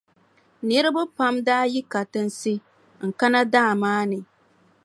Niriba pam daa yi katinsi n-kana daa maa ni,